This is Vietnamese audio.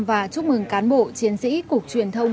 và chúc mừng cán bộ chiến sĩ cục truyền thông